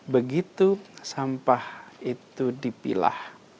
begitu sampah itu dipilah